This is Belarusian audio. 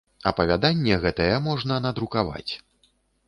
Апавяданне гэтае можна надрукаваць.